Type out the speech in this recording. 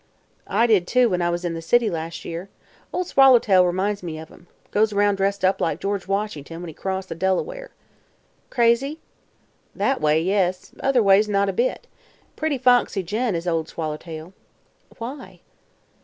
"I did, too, when I was in the city las' year. Ol' Swallertail 'minds me of 'em. Goes 'round dressed up like George Washington when he crossed the Delaware." "Crazy?" "That way, yes; other ways, not a bit. Pretty foxy gent, is Ol' Swallertail." "Why?"